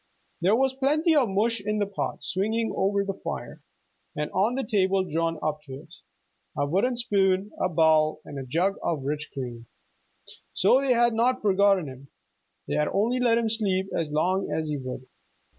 There was plenty of mush in the pot swinging over the fire, and on the table drawn up to it, a wooden spoon, a bowl, and a jug of rich cream. So they had not forgotten him. They had only let him sleep as long as he would.